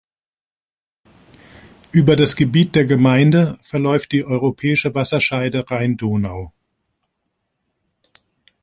Über das Gebiet der Gemeinde verläuft die europäische Wasserscheide Rhein-Donau.